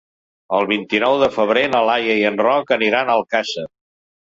El vint-i-nou de febrer na Laia i en Roc aniran a Alcàsser.